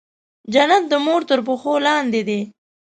جنت د مور تر پښو لاندې دی.